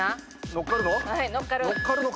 乗っかる。